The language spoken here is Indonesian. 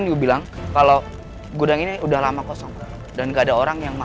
dibaik baik aja kok tante ya